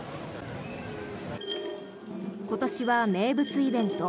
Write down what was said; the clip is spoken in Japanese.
今年は名物イベント